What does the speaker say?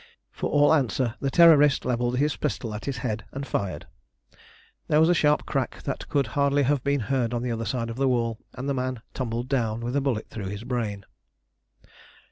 For all answer the Terrorist levelled his pistol at his head and fired. There was a sharp crack that could hardly have been heard on the other side of the wall, and the man tumbled down with a bullet through his brain.